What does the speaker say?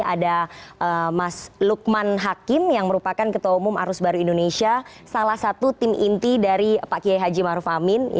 ada mas lukman hakim yang merupakan ketua umum arus baru indonesia salah satu tim inti dari pak kiai haji maruf amin